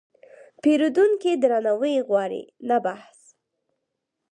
پیرودونکی درناوی غواړي، نه بحث.